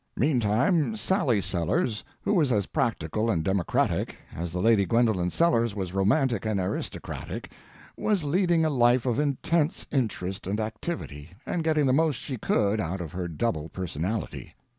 Meantime, Sally Sellers, who was as practical and democratic as the Lady Gwendolen Sellers was romantic and aristocratic, was leading a life of intense interest and activity and getting the most she could out of her double personality.